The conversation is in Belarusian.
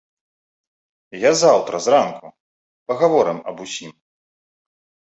Я заўтра зранку, пагаворым аб усім.